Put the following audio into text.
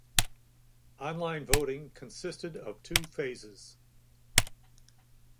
Online voting consisted of two phases.